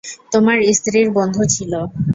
তোমার স্ত্রীর বন্ধু ছিল।